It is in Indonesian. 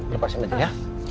lepaskan dia ya